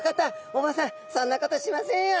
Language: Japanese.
お坊さんそんなことしませんよ